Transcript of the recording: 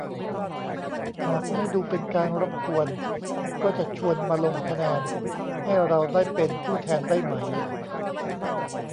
หากไม่ดูเป็นการรบกวน ก็จะชวนมาลงคะแนน ให้เราได้เป็นผู้แทนได้ไหม